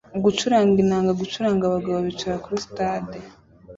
gucuranga inanga gucuranga abagabo bicara kuri stade